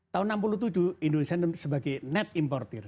tahun seribu sembilan ratus enam puluh tujuh indonesia sebagai net importer